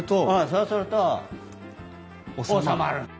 そうすると収まる。